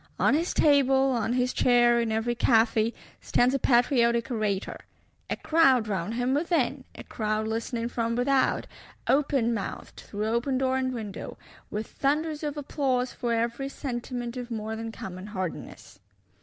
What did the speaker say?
On his table, on his chair, in every café, stands a patriotic orator; a crowd round him within; a crowd listening from without, open mouthed, through open door and window; with "thunders of applause for every sentiment of more than common hardiness."